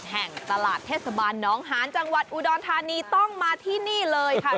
แห่งตลาดเทศบาลน้องหานจังหวัดอุดรธานีต้องมาที่นี่เลยค่ะ